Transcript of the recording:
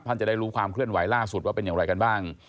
จะได้รู้ความเคลื่อนไหวล่าสุดว่าเป็นอย่างไรกันบ้าง